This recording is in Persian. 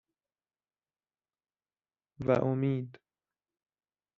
وامید